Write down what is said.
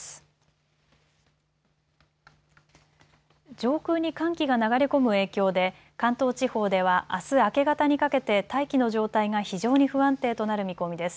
上空に寒気が流れ込む影響で関東地方ではあす明け方にかけて大気の状態が非常に不安定となる見込みです。